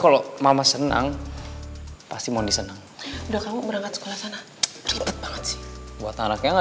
kalau mama senang pasti mau senang udah kamu berangkat sekolah sana buat anaknya